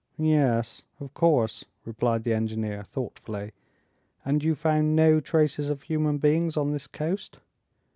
"Yes... of course," replied the engineer, thoughtfully; "and you found no traces of human beings on this coast?"